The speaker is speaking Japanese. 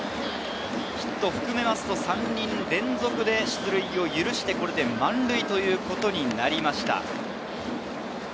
ヒットを含めると３人連続で出塁を許して、これで満塁となりました。